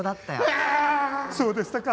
そうでしたか。